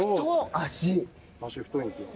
足、太いんですよ。